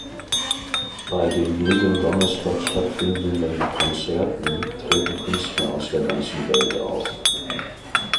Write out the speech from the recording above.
Bei den jeden Donnerstag stattfindenden Konzerten treten Künstler aus der ganzen Welt auf.